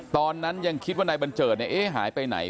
ตอนนั้นยังคิดว่านายบัญเจิดหายไปไหน